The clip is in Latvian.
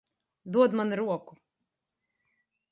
Dod man roku.